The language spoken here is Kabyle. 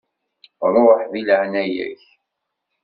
Ruḥ, deg leɛnaya-k.